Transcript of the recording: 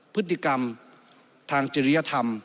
พฤติกรรมทางจริยธรรม